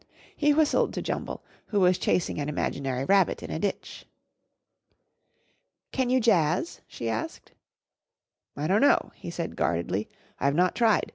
He whistled to Jumble, who was chasing an imaginary rabbit in a ditch. "Can you jazz?" she asked. "I don't know," he said guardedly. "I've not tried.